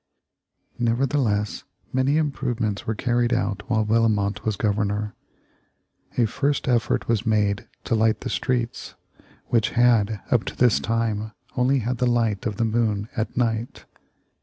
Nevertheless many improvements were carried out while Bellomont was Governor. A first effort was made to light the streets, which had, up to this time, only had the light of the moon at night.